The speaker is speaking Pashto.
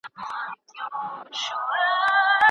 په مرګ به یې زما په څېر خواشینی سوی وي.